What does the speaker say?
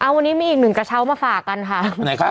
วันนี้มีอีกหนึ่งกระเช้ามาฝากกันค่ะ